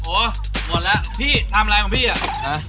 โอ้โหหมดแล้วพี่ทำอะไรของพี่อ่ะ